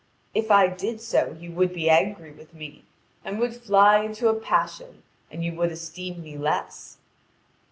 "If I did so you would be angry with me, and would fly into a passion and you would esteem me less."